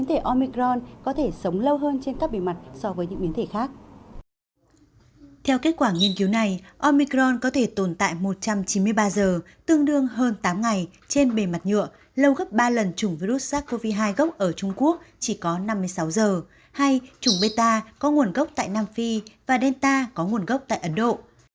trong nghiên cứu này omicron có thể tồn tại một trăm chín mươi ba giờ tương đương hơn tám ngày trên bề mặt nhựa lâu gấp ba lần chủng virus sars cov hai gốc ở trung quốc chỉ có năm mươi sáu giờ hay chủng beta có nguồn gốc tại nam phi và delta có nguồn gốc tại ấn độ